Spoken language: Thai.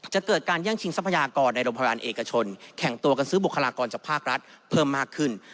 เกิดการแย่งชิงทรัพยากรในโรงพยาบาลเอกชนแข่งตัวกันซื้อบุคลากรจากภาครัฐเพิ่มมากขึ้น